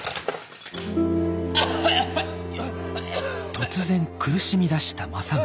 突然苦しみだした政宗。